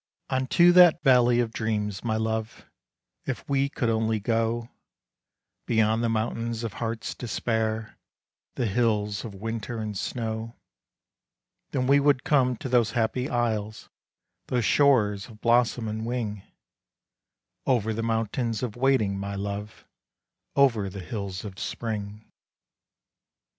Unto that valley of dreams, my Love, If we could only go, Beyond the mountains of heart's despair, The hills of winter and snow, Then we would come to those happy isles, Those shores of blossom and wing, Over the mountains of waiting, my Love, Over the hills of spring.